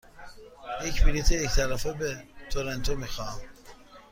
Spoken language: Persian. یک بلیط یک طرفه به تورنتو می خواهم.